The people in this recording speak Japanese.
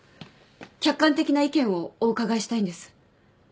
客観的な意見をお伺いしたいんです。